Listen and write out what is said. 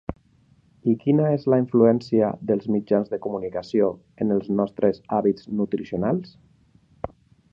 I quina és la influència dels mitjans de comunicació en els nostres hàbits nutricionals?